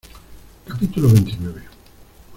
capítulo veintinueve.